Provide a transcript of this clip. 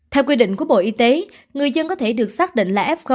theo quy định của bộ y tế người dân có thể được xác định là f một